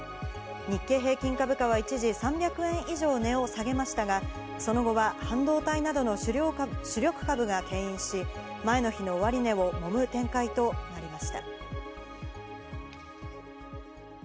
日経平均株価は一時３００円以上値を下げましたが、その後は半導体などの主力株がけん引し、前の日の終値をもむ展開となりま